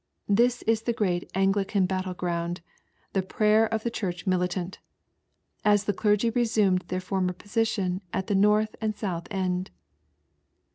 This is the great Anglican battle ground, the Prayer for the Church Militant:" as the clergy resumed their fcfbnner position at the north and south end.